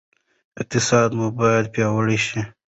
اقتصاد مو باید پیاوړی شي.